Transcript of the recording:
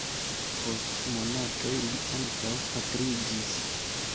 Post monatoj li ankaŭ pastriĝis.